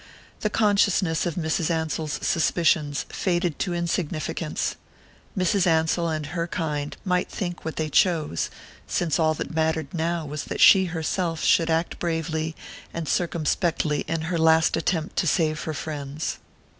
The consciousness of Mrs. Ansell's suspicions faded to insignificance Mrs. Ansell and her kind might think what they chose, since all that mattered now was that she herself should act bravely and circumspectly in her last attempt to save her friends.